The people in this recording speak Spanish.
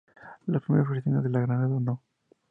Las primeras versiones de la granada No.